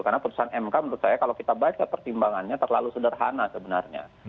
karena putusan mk menurut saya kalau kita baca pertimbangannya terlalu sederhana sebenarnya